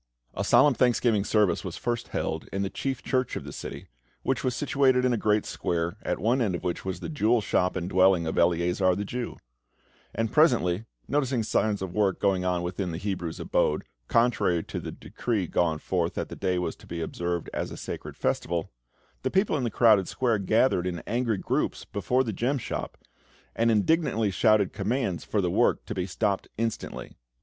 A solemn thanksgiving service was first held in the chief church of the city, which was situated in a great square, at one end of which was the jewel shop and dwelling of Eleazar the Jew; and presently, noticing signs of work going on within the Hebrew's abode, contrary to the decree gone forth that the day was to be observed as a sacred festival, the people in the crowded square gathered in angry groups before the gem shop, and indignantly shouted commands for the work to be stopped instantly.